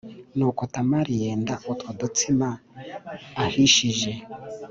Nuko Tamari yenda utwo dutsima ahishije